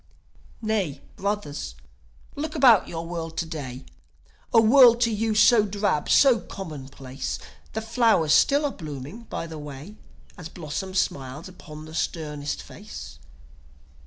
Nay, brothers, look about your world to day: A world to you so drab, so commonplace The flowers still are blooming by the way, As blossom smiles upon the sternest face.